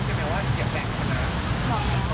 บอกแล้วพอไหม